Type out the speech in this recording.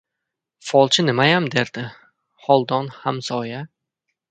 — Folchi nimayam derdi, Xoldon hamsoya.